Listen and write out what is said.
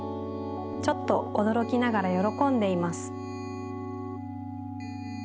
ちょっとおどろきながらよろこんでいます。